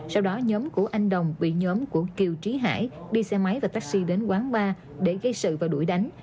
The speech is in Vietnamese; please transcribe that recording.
sau đó nhóm của anh đồng bị nhóm của kiều trí hải đi xe máy và taxi đến quán bar để gây sự và đuổi đánh